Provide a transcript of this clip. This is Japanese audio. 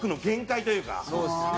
そうですよね。